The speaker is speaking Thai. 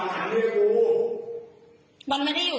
อืมไม่อยู่